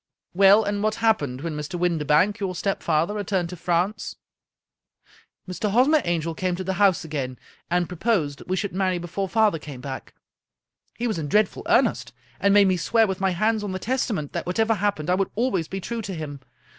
" Well, and what happened when Mr. Windibank, your stepfather, returned to France ?"" Mr. Hosmer Angel came to the house again, and pro posed that we should marry before father came back. He was in dreadful earnest, and made me swear, with my hands on the Testament, that whatever happened I would always be true to him.